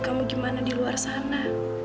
kamu gimana di luar sana